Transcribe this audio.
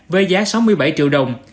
với giá sáu mươi bảy triệu đồng